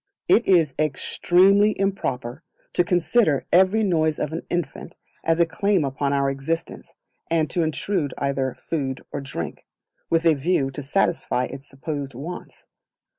It is Extremely Improper to consider every noise of an infant as a claim upon our assistance, and to intrude either food or drink, with a view to satisfy its supposed wants.